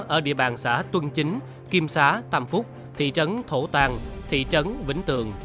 ở địa bàn xã tuân chính kim xá tam phúc thị trấn thổ tàng thị trấn vĩnh tường